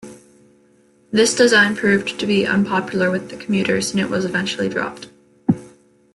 This design proved to be unpopular with the commuters, and it was eventually dropped.